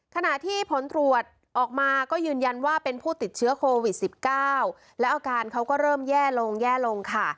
ขณะที่ผลตรวจออกมาก็ยืนยันว่าเป็นผู้ติดเชื้อโควิด๑๙แล้วอาการเขาก็เริ่มแย่ลงแย่ลงค่ะ